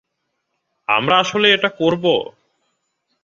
আমরা আসলেই এটা করব?